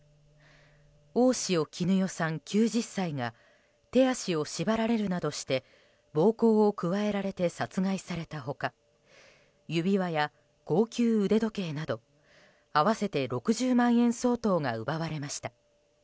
大塩衣與さん、９０歳が手足を縛られるなどして暴行を加えられて殺害された他指輪や高級腕時計など合わせて６０万円相当が奪われました。